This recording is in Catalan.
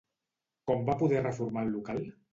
Com va poder reformar el local?